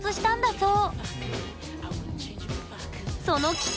そう